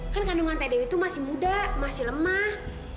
kan kandungan teh dewi tuh masih muda masih lemah